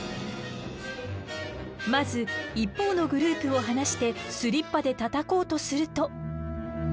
まず一方のグループを放してスリッパでたたこうとすると。